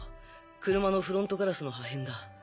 車のフロントガラスの破片だ。